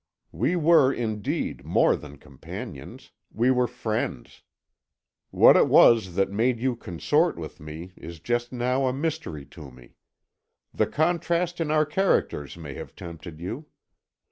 We were, indeed, more than companions we were friends. What it was that made you consort with me is just now a mystery to me. The contrast in our characters may have tempted you.